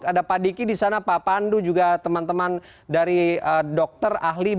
ada pak diki di sana pak pandu juga teman teman dari dokter ahli